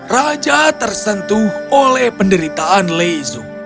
raja tersentuh oleh penderitaan lesu